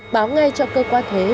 báo ngay cho cơ quan thuế